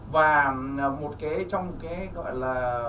và một cái trong cái gọi là